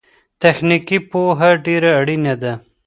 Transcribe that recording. تخنيکي پوهه ډېره اړينه ده.